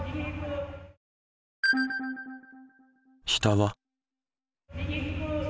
下は？